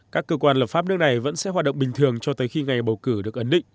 các cơ quan lập pháp nước này vẫn sẽ hoạt động bình thường cho tới khi ngày bầu cử được ấn định